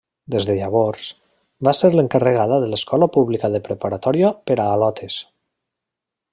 Des de llavors, va ser l’encarregada de l’escola pública de preparatòria per a al·lotes.